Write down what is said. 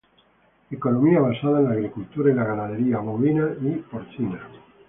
Economía basada en la agricultura y la ganadería bovina y porcina.